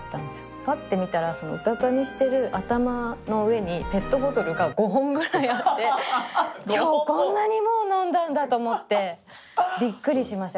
ぱって見たらそのうたた寝してる頭の上にペットボトルが５本ぐらいあって今日こんなにもう飲んだんだと思ってびっくりしました